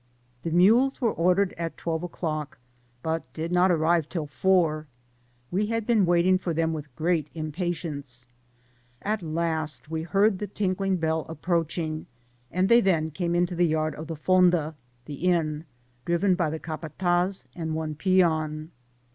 The mules were ordered at twelve o'clock, but did not arrive till four: we had been waiting for them with great impatience ; at last we heard the tinkling bell approaching, and they then came into the yard of the Fonda (inn), driven by the capatdz and one peon.